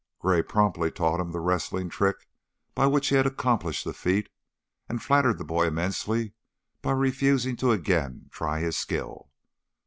Gray promptly taught him the wrestling trick by which he had accomplished the feat, and flattered the boy immensely by refusing to again try his skill.